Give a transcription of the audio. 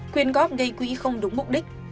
quyền góp gây quý không đúng mục đích